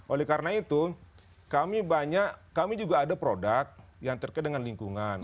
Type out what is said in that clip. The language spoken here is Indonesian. oleh karena itu kami banyak kami juga ada produk yang terkait dengan lingkungan